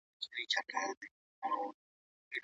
که هنر ولرو نو قدر مو نه کمیږي.